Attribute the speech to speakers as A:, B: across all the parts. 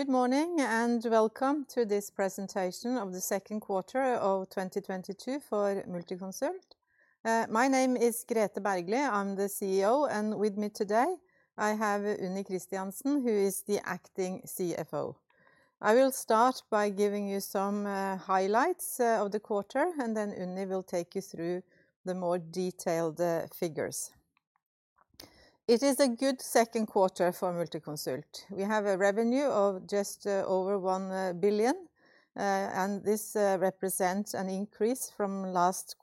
A: Good morning, and welcome to this presentation of the second quarter of 2022 for Multiconsult. My name is Grethe Bergly. I'm the CEO, and with me today I have Unni Kristiansen, who is the Acting CFO. I will start by giving you some highlights of the quarter, and then Unni will take you through the more detailed figures. It is a good second quarter for Multiconsult. We have a revenue of just over 1 billion. This represents an increase from last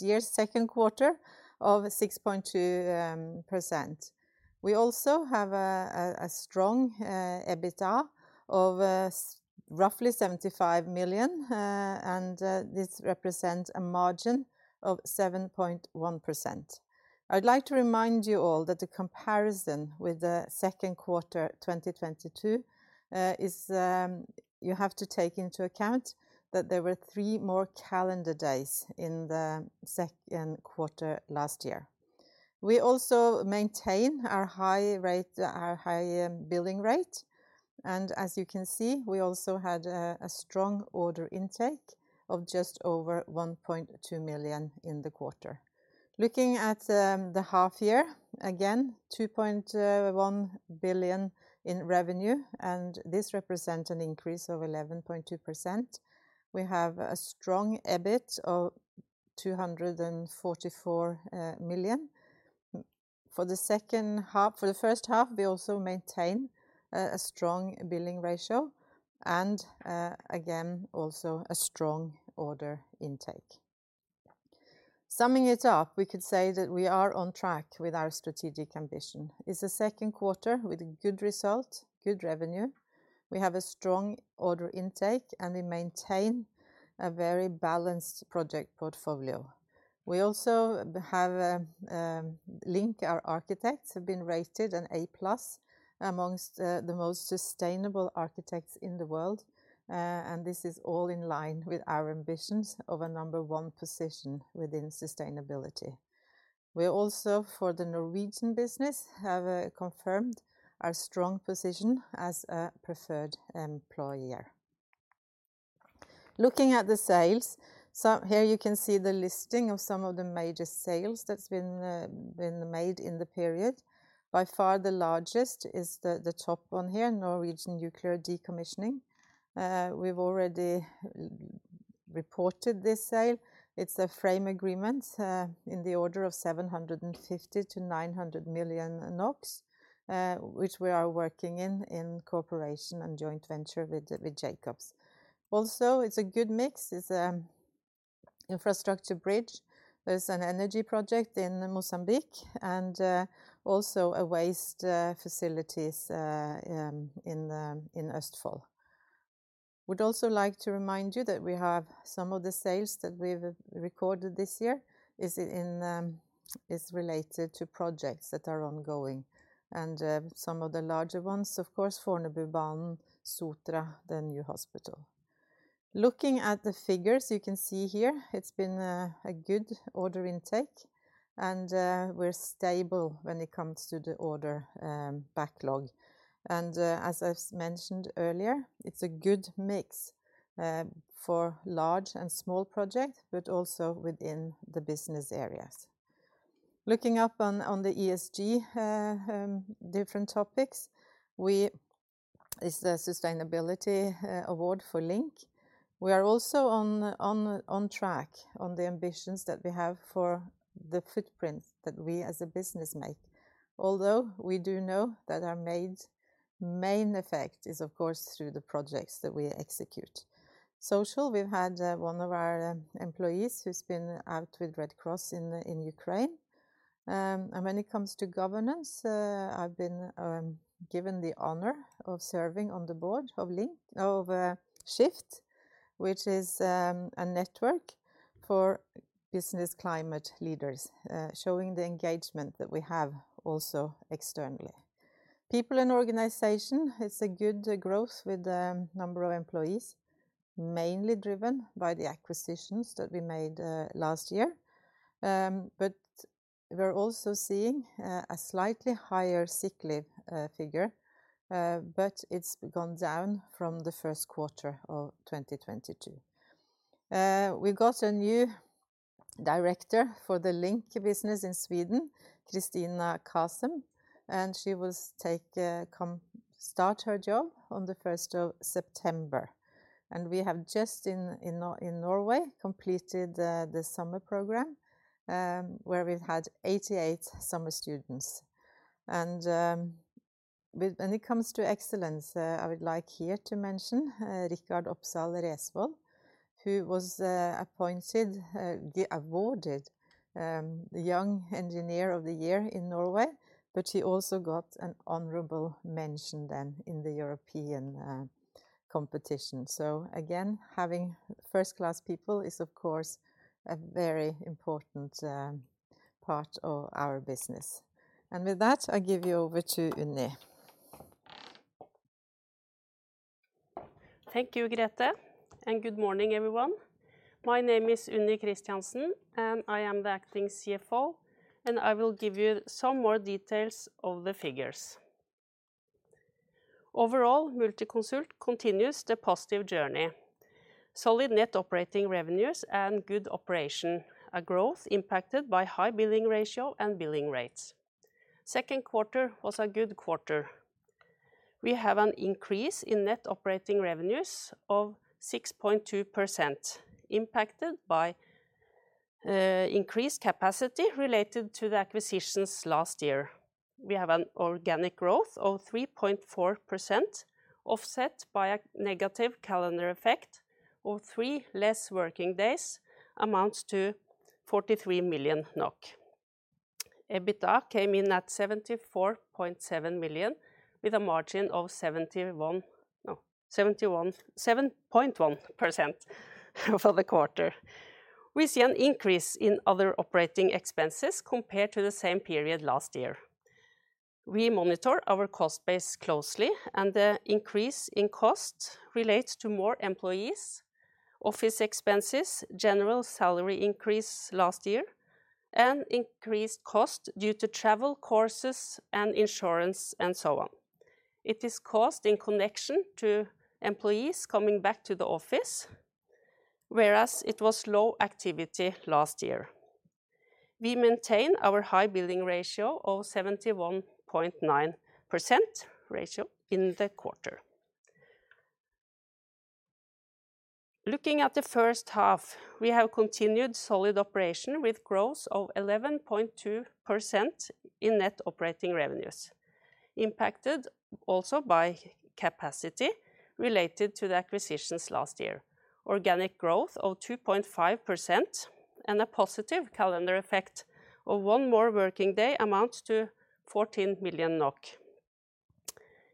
A: year's second quarter of 6.2%. We also have a strong EBITDA of roughly 75 million, and this represents a margin of 7.1%. I'd like to remind you all that the comparison with the second quarter 2022 is you have to take into account that there were three more calendar days in the second quarter last year. We also maintain our high billing rate, and as you can see, we also had a strong order intake of just over 1.2 million in the quarter. Looking at the half year, again, 2.1 billion in revenue, and this represent an increase of 11.2%. We have a strong EBIT of 244 million. For the first half, we also maintain a strong billing ratio and, again, also a strong order intake. Summing it up, we could say that we are on track with our strategic ambition. It's a second quarter with a good result, good revenue. We have a strong order intake, and we maintain a very balanced project portfolio. We also have LINK, our architects, have been rated an A+ among the most sustainable architects in the world, and this is all in line with our ambitions of a number one position within sustainability. We also, for the Norwegian business, have confirmed our strong position as a preferred employer. Looking at the sales, here you can see the listing of some of the major sales that's been made in the period. By far the largest is the top one here, Norwegian Nuclear Decommissioning. We've already reported this sale. It's a frame agreement in the order of 750 million-900 million, which we are working in cooperation and joint venture with Jacobs. Also, it's a good mix. It's infrastructure bridge. There's an energy project in Mozambique and also a waste facilities in Østfold. Would also like to remind you that we have some of the sales that we've recorded this year is related to projects that are ongoing and some of the larger ones, of course, Fornebubanen, Sotra, the new hospital. Looking at the figures, you can see here it's been a good order intake, and we're stable when it comes to the order backlog. as I've mentioned earlier, it's a good mix for large and small projects, but also within the business areas. Looking upon the ESG different topics, is the sustainability award for LINK. We are also on track on the ambitions that we have for the footprint that we as a business make. Although, we do know that our main effect is of course through the projects that we execute. Social. We've had one of our employees who's been out with Red Cross in Ukraine. and when it comes to governance, I've been given the honor of serving on the board of LINK of Skift, which is a network for business climate leaders, showing the engagement that we have also externally. People and organization. It's a good growth with the number of employees, mainly driven by the acquisitions that we made last year. We're also seeing a slightly higher sick leave figure, but it's gone down from the first quarter of 2022. We got a new director for the LINK business in Sweden, Christina Kazeem, and she will come start her job on the 1st of September. We have just in Norway completed the summer program, where we've had 88 summer students. When it comes to excellence, I would like here to mention Richard Opsahl Resvoll, who was awarded the Young Engineer of the Year in Norway, but he also got an honorable mention then in the European competition. Again, having first-class people is, of course, a very important part of our business. With that, I give you over to Unni.
B: Thank you, Grethe, and good morning, everyone. My name is Unni Kristiansen, and I am the Acting CFO, and I will give you some more details of the figures. Overall, Multiconsult continues the positive journey. Solid net operating revenues and good operation. A growth impacted by high billing ratio and billing rates. Second quarter was a good quarter. We have an increase in net operating revenues of 6.2% impacted by increased capacity related to the acquisitions last year. We have an organic growth of 3.4% offset by a negative calendar effect of three less working days amounts to 43 million NOK. EBITDA came in at 74.7 million, with a margin of 7.1% for the quarter. We see an increase in other operating expenses compared to the same period last year. We monitor our cost base closely, and the increase in cost relates to more employees, office expenses, general salary increase last year, and increased cost due to travel, courses, and insurance, and so on. It is cost in connection to employees coming back to the office, whereas it was low activity last year. We maintain our high billing ratio of 71.9% ratio in the quarter. Looking at the first half, we have continued solid operation with growth of 11.2% in net operating revenues, impacted also by capacity related to the acquisitions last year. Organic growth of 2.5% and a positive calendar effect of one more working day amounts to 14 million NOK.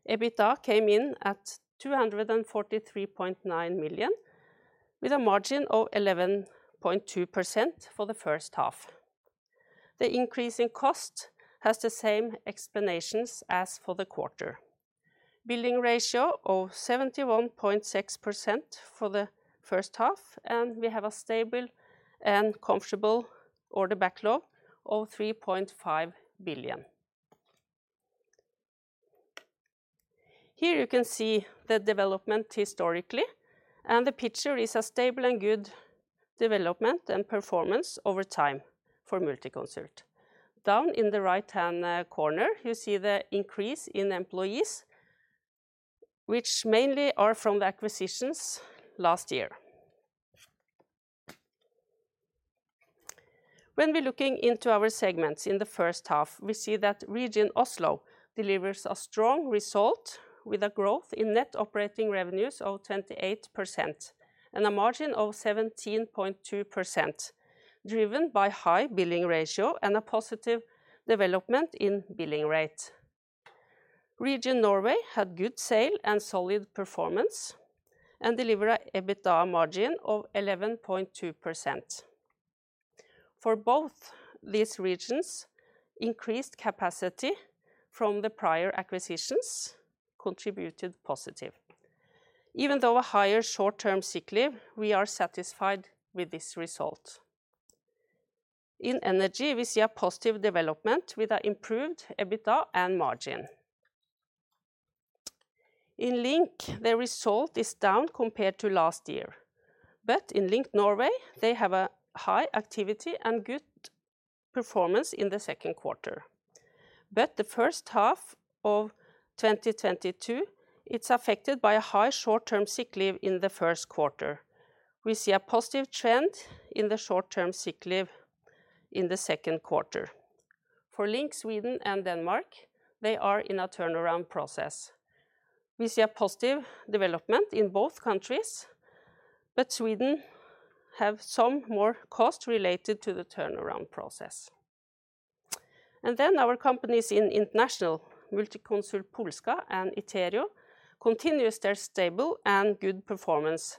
B: EBITDA came in at 243.9 million, with a margin of 11.2% for the first half. The increase in cost has the same explanations as for the quarter. Billing ratio of 71.6% for the first half, and we have a stable and comfortable order backlog of NOK 3.5 billion. Here you can see the development historically, and the picture is a stable and good development and performance over time for Multiconsult. Down in the right-hand corner, you see the increase in employees, which mainly are from the acquisitions last year. When we're looking into our segments in the first half, we see that Region Oslo delivers a strong result with a growth in net operating revenues of 28% and a margin of 17.2%, driven by high billing ratio and a positive development in billing rate. Region Norway had good sales and solid performance and delivered a EBITDA margin of 11.2%. For both these regions, increased capacity from the prior acquisitions contributed positive. Even though a higher short-term sick leave, we are satisfied with this result. In Energy, we see a positive development with an improved EBITDA and margin. In LINK, the result is down compared to last year. In LINK Norway, they have a high activity and good performance in the second quarter. The first half of 2022, it's affected by a high short-term sick leave in the first quarter. We see a positive trend in the short-term sick leave in the second quarter. For LINK Sweden and Denmark, they are in a turnaround process. We see a positive development in both countries, but Sweden have some more cost related to the turnaround process. Our companies in international, Multiconsult Polska and Iterio, continues their stable and good performance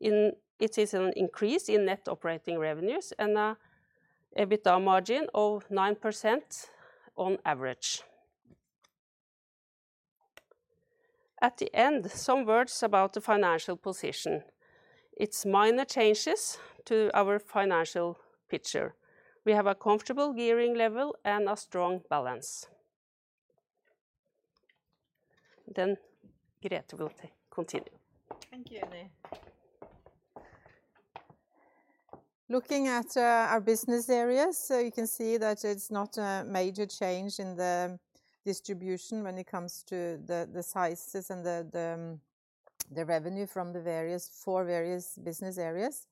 B: in. It is an increase in net operating revenues and an EBITDA margin of 9% on average. At the end, some words about the financial position. It's minor changes to our financial picture. We have a comfortable gearing level and a strong balance. Grethe will continue.
A: Thank you, Unni. Looking at our business areas, so you can see that it's not a major change in the distribution when it comes to the sizes and the revenue from the various four business areas.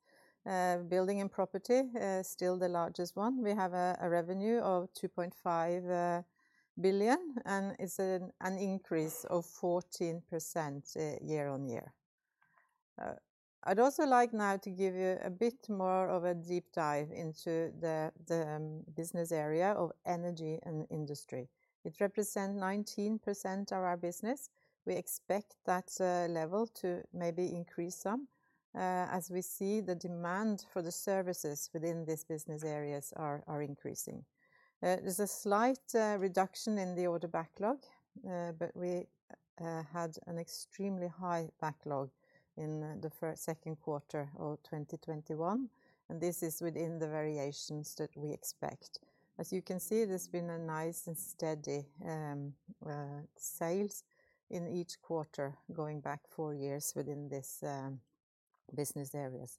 A: Building and property still the largest one. We have a revenue of 2.5 billion, and it's an increase of 14% year-over-year. I'd also like now to give you a bit more of a deep dive into the business area of energy and industry. It represent 19% of our business. We expect that level to maybe increase some as we see the demand for the services within these business areas are increasing. There's a slight reduction in the order backlog, but we had an extremely high backlog in the second quarter of 2021, and this is within the variations that we expect. As you can see, there's been a nice and steady sales in each quarter going back four years within this business areas.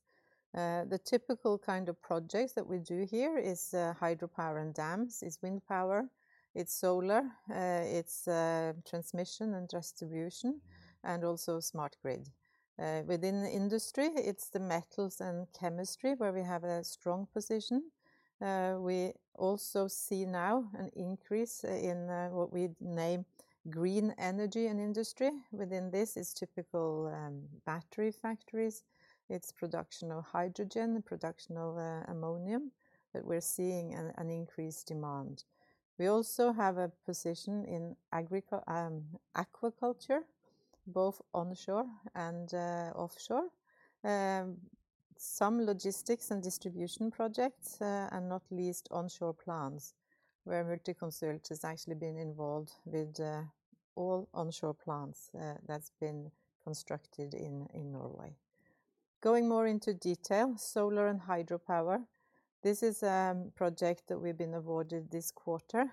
A: The typical kind of projects that we do here is hydropower and dams, is wind power, it's solar, it's transmission and distribution, and also smart grid. Within the industry, it's the metals and chemistry where we have a strong position. We also see now an increase in what we name green energy in industry. Within this is typical battery factories, it's production of hydrogen, production of ammonia that we're seeing an increased demand. We also have a position in aquaculture, both onshore and offshore. Some logistics and distribution projects, and not least onshore plants, where Multiconsult has actually been involved with all the onshore plants that's been constructed in Norway. Going more into detail, solar and hydropower. This is a project that we've been awarded this quarter.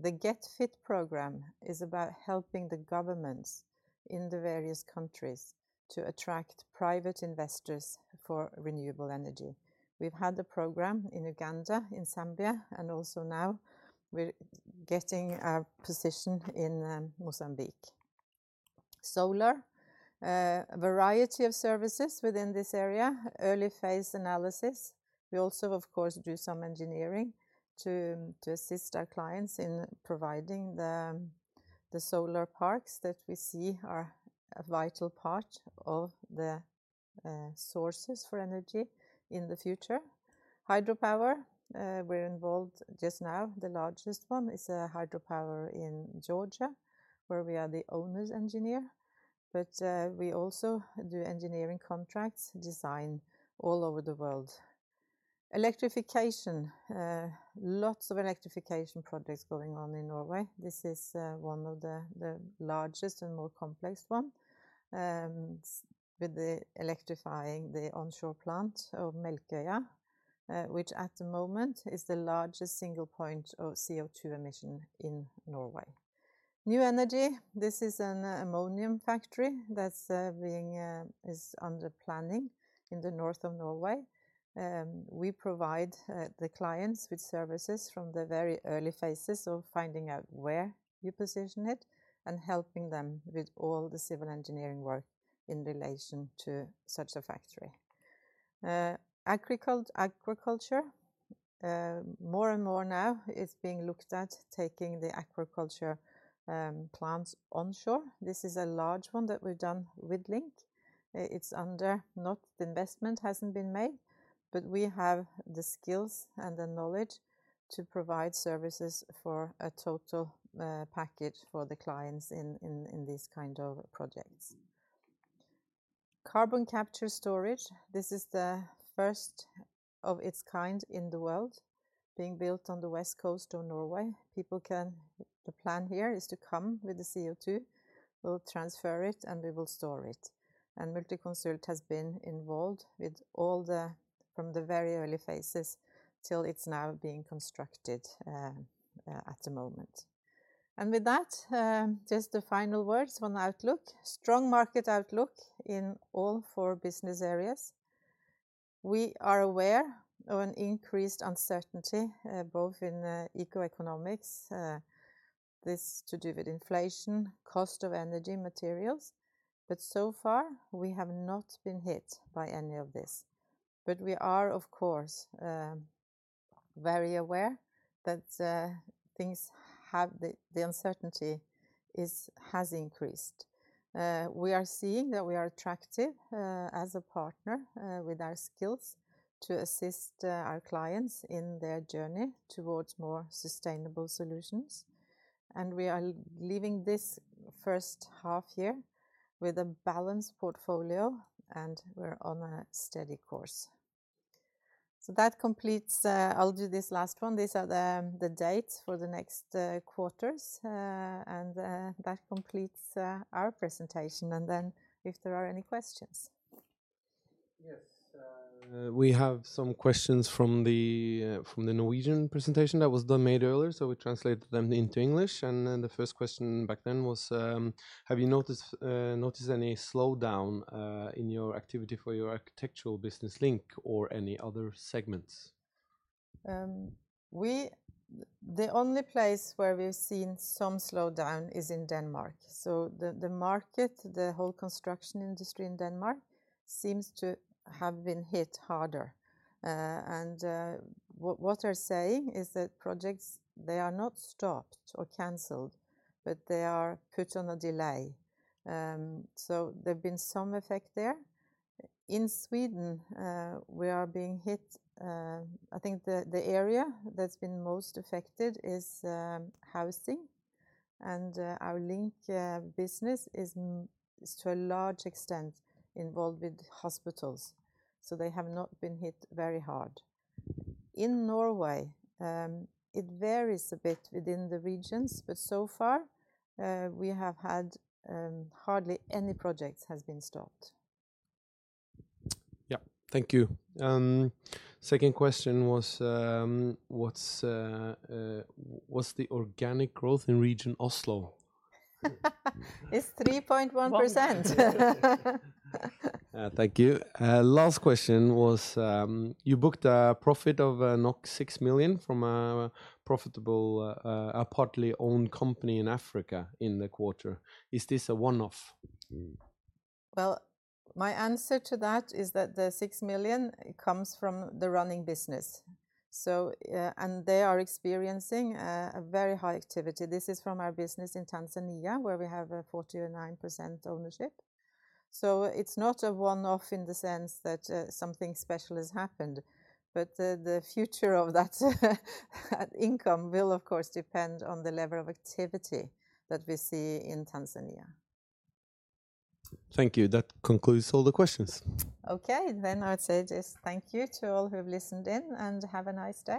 A: The GET FiT program is about helping the governments in the various countries to attract private investors for renewable energy. We've had the program in Uganda, in Zambia, and also now we're getting a position in Mozambique. Solar, a variety of services within this area. Early phase analysis. We also, of course, do some engineering to assist our clients in providing the solar parks that we see are a vital part of the sources for energy in the future. Hydropower, we're involved just now. The largest one is a hydropower in Georgia, where we are the owner's engineer. We also do engineering contracts, design all over the world. Electrification. Lots of electrification projects going on in Norway. This is one of the largest and more complex one with the electrifying the onshore plant of Melkøya, which at the moment is the largest single point of CO2 emission in Norway. New energy. This is an ammonia factory that's under planning in the north of Norway. We provide the clients with services from the very early phases of finding out where you position it and helping them with all the civil engineering work in relation to such a factory. Agriculture. More and more now is being looked at taking the aquaculture plants onshore. This is a large one that we've done with LINK. The investment hasn't been made, but we have the skills and the knowledge to provide services for a total package for the clients in these kind of projects. Carbon capture and storage. This is the first of its kind in the world being built on the west coast of Norway. The plan here is to come with the CO2, we'll transfer it, and we will store it. Multiconsult has been involved from the very early phases till it's now being constructed at the moment. With that, just the final words on outlook. Strong market outlook in all four business areas. We are aware of an increased uncertainty, both in the economy, this has to do with inflation, cost of energy, materials, but so far we have not been hit by any of this. We are, of course, very aware that the uncertainty has increased. We are seeing that we are attractive as a partner with our skills to assist our clients in their journey towards more sustainable solutions. We are leaving this first half here with a balanced portfolio, and we're on a steady course. That completes. I'll do this last one. These are the dates for the next quarters. That completes our presentation. If there are any questions.
C: Yes. We have some questions from the Norwegian presentation that was made earlier, so we translated them into English. Then the first question back then was, have you noticed any slowdown in your activity for your architectural business LINK or any other segments?
A: The only place where we've seen some slowdown is in Denmark. The market, the whole construction industry in Denmark seems to have been hit harder. What they're saying is that projects, they are not stopped or canceled, but they are put on a delay. There's been some effect there. In Sweden, we are being hit. I think the area that's been most affected is housing, and our LINK business is to a large extent involved with hospitals, so they have not been hit very hard. In Norway, it varies a bit within the regions, but so far, we have had hardly any projects has been stopped.
C: Yeah. Thank you. Second question was, what's the organic growth in Region Oslo?
A: It's 3.1%.
C: Thank you. Last question was, you booked a profit of 6 million from a profitable, a partly owned company in Africa in the quarter. Is this a one-off?
A: Well, my answer to that is that the 6 million comes from the running business. They are experiencing a very high activity. This is from our business in Tanzania, where we have a 49% ownership. It's not a one-off in the sense that something special has happened, but the future of that income will of course depend on the level of activity that we see in Tanzania.
C: Thank you. That concludes all the questions.
A: Okay. I'd say just thank you to all who have listened in, and have a nice day.